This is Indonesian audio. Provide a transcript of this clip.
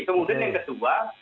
kemudian yang kedua